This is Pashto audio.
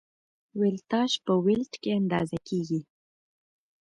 ولتاژ په ولټ کې اندازه کېږي.